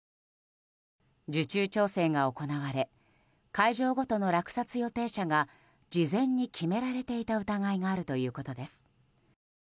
受注調整が行われ会場ごとの落札予定者が事前に決められていた疑いがあるということです。